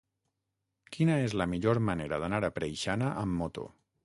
Quina és la millor manera d'anar a Preixana amb moto?